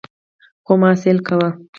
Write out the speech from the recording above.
خو ما سيل کاوه.